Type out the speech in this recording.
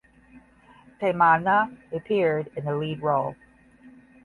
Tamannaah appeared in the lead role.